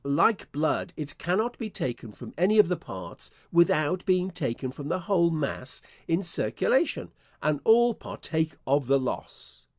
Like blood, it cannot be taken from any of the parts, without being taken from the whole mass in circulation, and all partake of the loss.